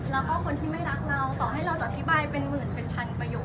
แล้วก็คนที่ไม่รักเราต่อให้เราจะอธิบายเป็นหมื่นเป็นพันประโยค